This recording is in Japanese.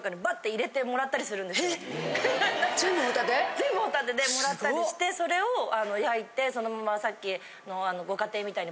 全部ホタテで貰ったりしてそれを焼いてそのままさっきのご家庭みたいに。